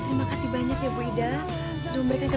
kok gak mengetahui segala